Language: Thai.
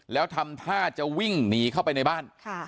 แล้วทำท่าจะวิ่งหนีเข้าไปในบ้าน